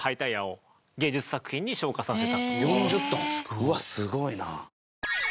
うわっすごいな。